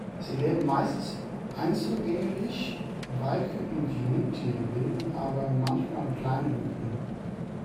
Sie leben meistens einzelgängerisch, Weibchen und Jungtiere bilden aber manchmal kleine Gruppen.